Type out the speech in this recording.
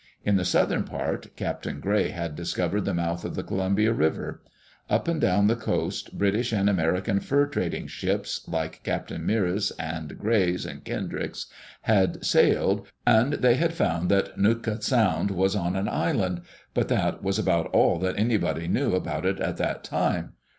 In the southern part. Captain Gray had discovered the mouth of the Columbia River. Up and down the coast British and American fur trading ships, like Captain Meares's and Gray's and Kendrick's, had sailed, and they had found that Nootka Sound was on an island — but that was about all that anybody knew about it at that time.